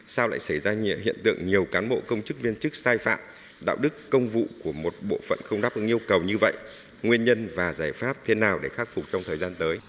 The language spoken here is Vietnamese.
sao lại xảy ra hiện tượng nhiều cán bộ công chức viên chức sai phạm đạo đức công vụ của một bộ phận không đáp ứng yêu cầu như vậy nguyên nhân và giải pháp thế nào để khắc phục trong thời gian tới